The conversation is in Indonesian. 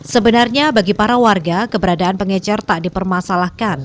sebenarnya bagi para warga keberadaan pengecer tak dipermasalahkan